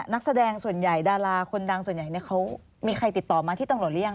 นักแสดงส่วนใหญ่ดาราคนดังส่วนใหญ่เขามีใครติดต่อมาที่ตำรวจหรือยัง